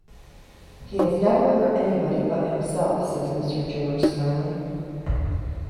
"He has never hurt anybody but himself," says Mr. George, smiling.